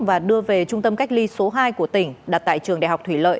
và đưa về trung tâm cách ly số hai của tỉnh đặt tại trường đại học thủy lợi